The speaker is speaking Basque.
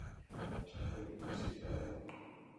Lasaiago bizi dira orain.